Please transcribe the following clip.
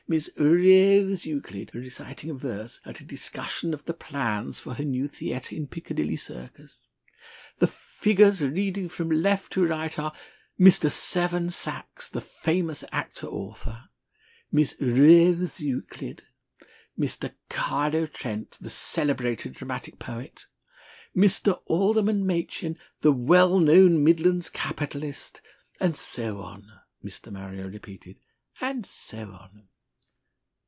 Miss Ra ose Euclid reciting verse at a discussion of the plans for her new theatre in Piccadilly Circus. The figures reading from left to right are: Mr. Seven Sachs, the famous actor author; Miss Rose Euclid; Mr. Carlo Trent, the celebrated dramatic poet; Mr. Alderman Machin, the well known Midlands capitalist,' and so on!" Mr. Marrier repeated, "and so on."